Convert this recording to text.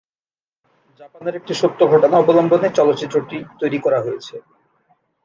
জাপানের একটি সত্য ঘটনা অবলম্বনে চলচ্চিত্রটি তৈরি করা হয়েছে।